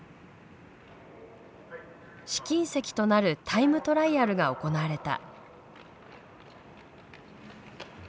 試金石となるタイムトライアルが行われた。